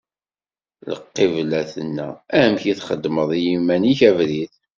Lqibla tenna: Amek i d-txedmeḍ i yiman-ik abrid!